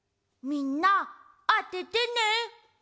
みんなあててね。